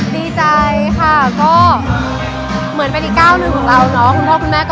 มีความฝันต้อนรักต้องมายะ